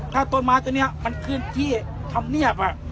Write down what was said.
ถ้าต้นไม้ตัวนี้มันขึ้นที่ธรรมเนียบ